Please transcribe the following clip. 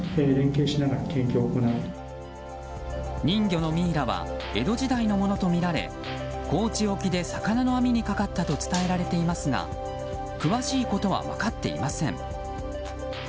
人魚のミイラは江戸時代のものとみられ高知沖で、魚の網にかかったと伝えられていますが詳しいことは分かっていません。